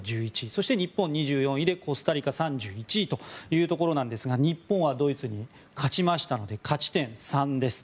そして日本は２４位でコスタリカ３１位なんですが日本はドイツに勝ちましたので勝ち点３です。